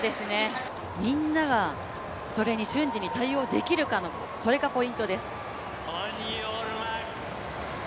みんながそれに瞬時に対応できるか、それがポイントです。